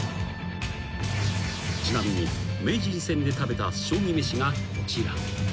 ［ちなみに名人戦で食べた将棋めしがこちら］